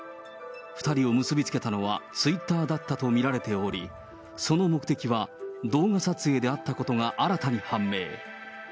２人を結び付けたのは、ツイッターだったと見られており、その目的は、動画撮影であったことが新たに判明。